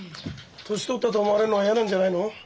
年取ったと思われるのが嫌なんじゃないの？